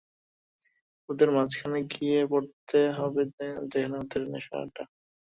ওদের মাঝখানে গিয়ে পড়তে হবে, যেখানে ওদের নেশার আড্ডা।